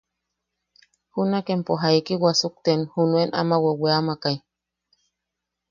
¿Junak empo jaiki wasukten junuen ama weamakai?